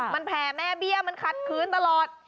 มันแผ่แม่เบี้ยมันขัดคืนตลอด